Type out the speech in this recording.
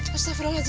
tuh tuh tuh